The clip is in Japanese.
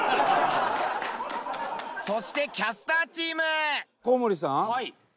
そしてキャスターチーム！